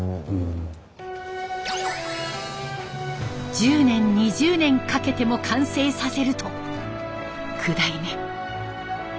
１０年２０年かけても完成させると９代目。